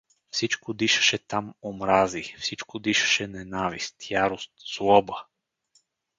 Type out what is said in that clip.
Всичко дишаше там умрази, всичко дишаше ненавист, ярост, злоба!